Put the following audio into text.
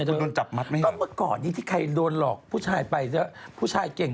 เยอะเสร็จเสร็จแล้วห้าสิบคน